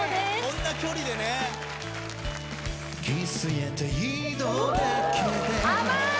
こんな距離でねあまい！